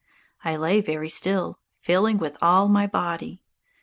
I lay very still, feeling with all my body.